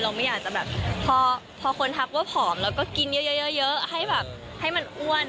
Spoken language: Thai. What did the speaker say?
ไม่อยากจะแบบพอคนทักว่าผอมแล้วก็กินเยอะให้แบบให้มันอ้วน